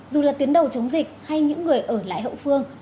dù là tuyến đầu chống dịch hay những người ở lại hậu phương